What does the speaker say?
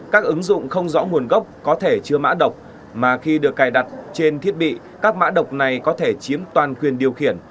các ứng dụng không rõ nguồn gốc có thể chứa mã độc mà khi được cài đặt trên thiết bị các mã độc này có thể chiếm toàn quyền điều khiển